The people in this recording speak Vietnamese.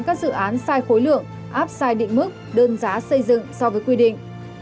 các dự án sai khối lượng áp sai định mức đơn giá xây dựng so với quy định